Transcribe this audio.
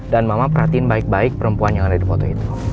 dan mama perhatiin baik baik perempuan yang ada di foto itu